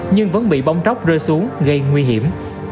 nhưng vẫn bị bông tróc rơi xuống gây nguy hiểm